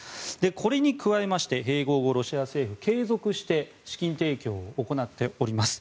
これに加えて併合後ロシア政府、継続して資金提供を行っております。